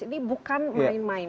ini bukan main main